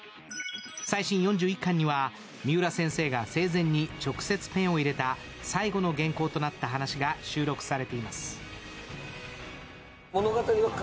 最新４１巻には三浦先生が生前に直接ペンを入れた最後の原稿となった話が収録されています。